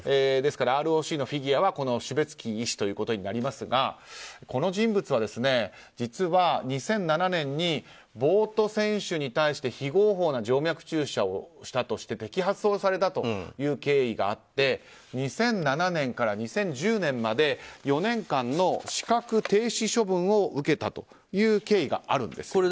ですから、ＲＯＣのフィギュアはこのシュベツキー医師ということになりますがこの人物は、実は２００７年にボート選手に対して非合法な静脈注射をして摘発をされた経緯があって２００７年から２０１０年まで４年間の資格停止処分を受けたという経緯があるんです。